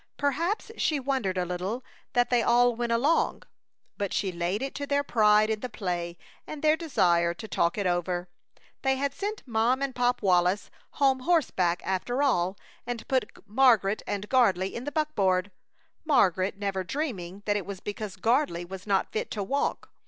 Perhaps she wondered a little that they all went along, but she laid it to their pride in the play and their desire to talk it over. They had sent Mom and Pop Wallis home horseback, after all, and put Margaret and Gardley in the buckboard, Margaret never dreaming that it was because Gardley was not fit to walk.